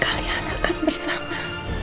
kalian akan bersama